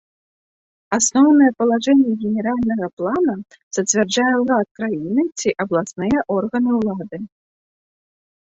Асноўныя палажэнні генеральнага плана зацвярджае ўрад краіны ці абласныя органы ўлады.